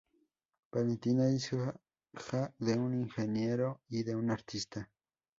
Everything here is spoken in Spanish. Valentina es hija de un ingeniero y de una artista.